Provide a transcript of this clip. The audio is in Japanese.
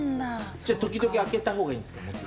じゃあ時々開けたほうがいいんですか？